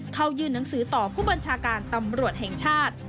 เข้ายื่นหนังสือต่อผู้บัญชาการตำรวจแห่งชาติ